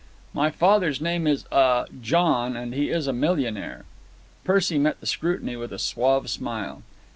"My father's name is—ah—John, and he is a millionaire." Percy met the scrutiny with a suave smile.